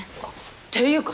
っていうか